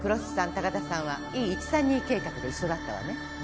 高田さんはＥ１３２計画で一緒だったわね？